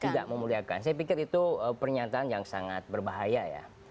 tidak memuliakan saya pikir itu pernyataan yang sangat berbahaya ya